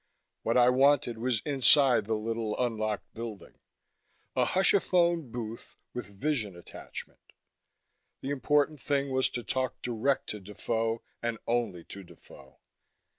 What I wanted was inside the little unlocked building A hushaphone booth with vision attachment. The important thing was to talk direct to Defoe and only to Defoe.